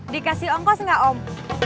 dikasih ongkos enggak om